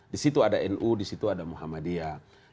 di situ ada nu di situ ada muhammadiyah